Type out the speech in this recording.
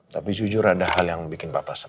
tapi jujur ada hal yang bikin papa senang